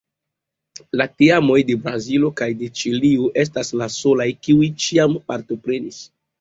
La teamoj de Brazilo kaj de Ĉilio estas la solaj, kiuj ĉiam partoprenis.